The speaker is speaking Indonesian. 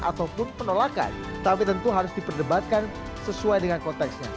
ataupun penolakan tapi tentu harus diperdebatkan sesuai dengan konteksnya